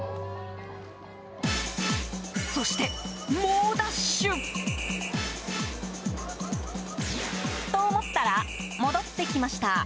そして、猛ダッシュ。と思ったら、戻ってきました。